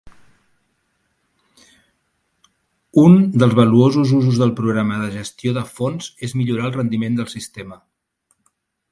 Un dels valuosos usos del programa de gestió de fonts és millorar el rendiment del sistema.